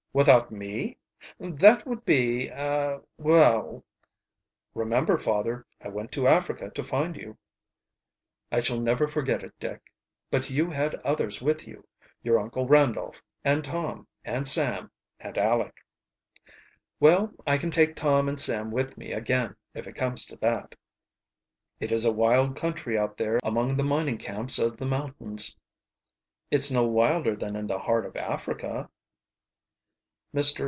"Without me? That would be, a well " "Remember, father, I went to Africa to find you." "I shall never forget it, Dick. But you had others with you your Uncle Randolph, and Tom, and Sam, and Aleck." "Well, I can take Tom and Sam with me again, if it comes to that." "It is a wild country out there among the mining camps of the mountains." "It's no wilder than in the heart of Africa." Mr.